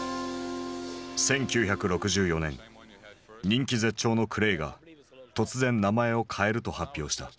人気絶頂のクレイが突然名前を変えると発表した。